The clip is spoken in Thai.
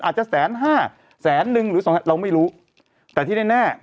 อาจจะแสนห้าแสนนึงหรือสองแสนเราไม่รู้แต่ที่แน่แน่